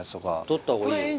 取ったほうがいいよ。